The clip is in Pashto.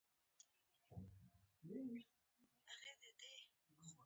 د مصر دفتر د هند نامطلوب کسان مالټا ته واستول.